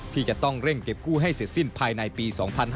ที่จะต้องเร่งเก็บกู้ให้เสร็จสิ้นภายในปี๒๕๕๙